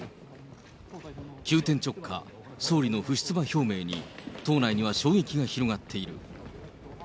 急転直下、総理の不出馬表明に、党内には衝撃が広がっている。